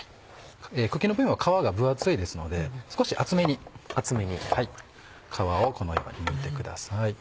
茎の部分は皮が分厚いですので少し厚めに皮をこのようにむいてください。